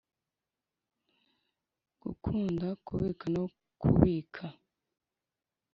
gukunda, kubika no kubika